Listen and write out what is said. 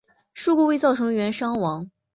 事故未造成人员伤亡。